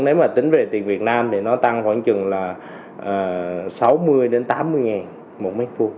nếu mà tính về tiền việt nam thì nó tăng khoảng chừng là sáu mươi tám mươi nghìn một mét phút